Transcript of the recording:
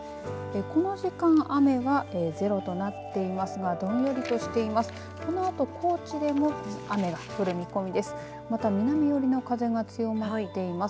この時間、雨はゼロとなっていますがどんよりとしています。